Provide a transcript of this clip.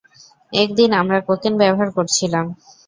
একদিন, আমরা কোকেন ব্যবহার করছিলাম।